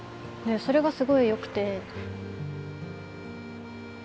それがすごいよくて。